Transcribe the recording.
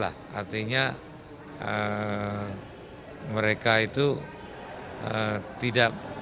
katanya mereka itu tidak